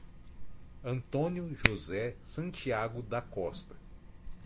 Antônio José Santiago da Costa